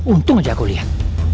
untung aja aku liat